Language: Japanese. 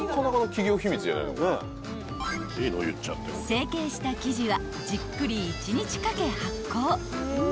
［成形した生地はじっくり一日かけ発酵］